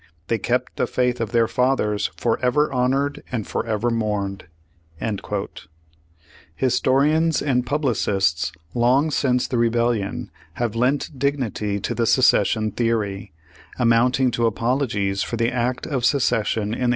They kept the faith of their fathers, forever honored and forever mourned." ^ Historians and publicists long since the Rebel lion have lent dignity to the secession theory, amounting to apologies for the act of secession in 1861.